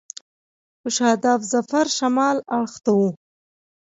په شاداب ظفر شمال اړخ ته و.